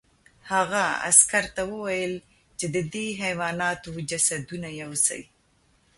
هغه عسکر ته وویل چې د دې حیواناتو جسدونه یوسي